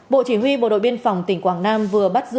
bộ chỉ huy bộ đội biên phòng tỉnh quảng nam vừa bắt xe tăng vật